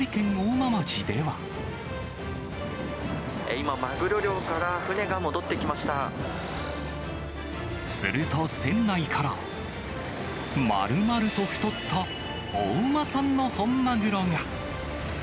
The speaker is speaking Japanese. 今、マグロ漁から船が戻ってすると、船内から、まるまると太った大間産の本マグロが。